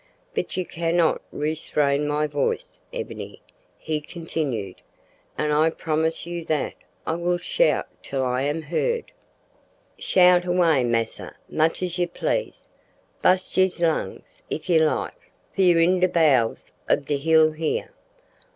"But you cannot restrain my voice, Ebony," he continued, "and I promise you that I will shout till I am heard." "Shout away, massa, much as you please. Bu'st you's lungs if you like, for you's in de bow'ls ob de hill here."